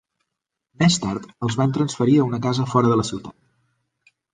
Més tard els van transferir a una casa fora de la ciutat.